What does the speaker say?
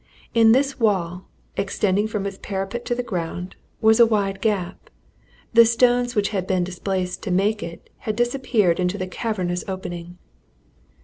In this wall, extending from its parapet to the ground, was a wide gap: the stones which had been displaced to make it had disappeared into the cavernous opening.